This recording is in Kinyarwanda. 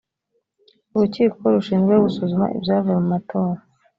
urukiko rushinzwe gusuzuma ibyavuye mumatora.